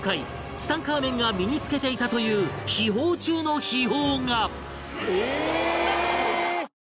ツタンカーメンが身につけていたという秘宝中の秘宝が